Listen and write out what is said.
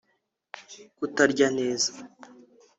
kutarya neza